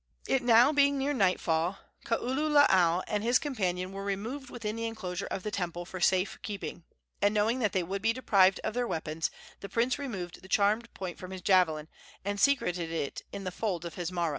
It now being near nightfall, Kaululaau and his companion were removed within the enclosure of the temple for safe keeping, and, knowing that they would be deprived of their weapons, the prince removed the charmed point from his javelin and secreted it in the folds of his maro.